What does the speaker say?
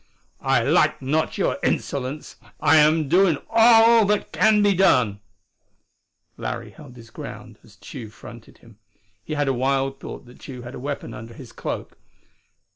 "I like not your insolence. I am doing all that can be done." Larry held his ground as Tugh fronted him. He had a wild thought that Tugh had a weapon under his cloak.